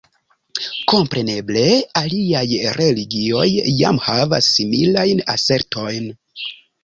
Kompreneble aliaj religioj ja havas similajn asertojn.